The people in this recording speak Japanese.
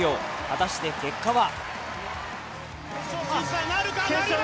果たして結果は。